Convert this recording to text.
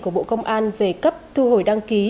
của bộ công an về cấp thu hồi đăng ký